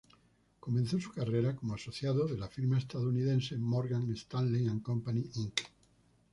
Comenzó su carrera como asociado de la firma estadounidense Morgan Stanley and Company Inc.